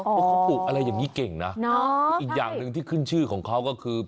เพราะเขาปลูกอะไรอย่างนี้เก่งนะอีกอย่างหนึ่งที่ขึ้นชื่อของเขาก็คือ